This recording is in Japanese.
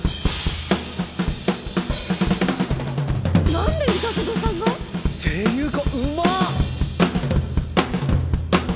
なんで三田園さんが？っていうかうまっ！